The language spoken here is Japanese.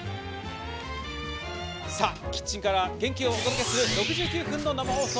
さあ、キッチンから元気をお届けする６９分の生放送。